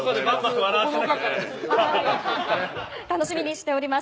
楽しみにしております。